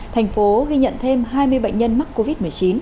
thành phố ghi nhận thêm hai mươi bệnh nhân mắc covid một mươi chín